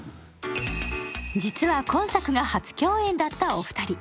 実は今作が初共演だったお二人。